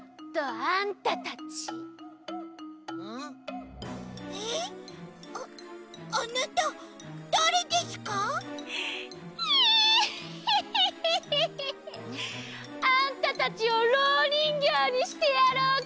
あんたたちをろうにんぎょうにしてやろうか！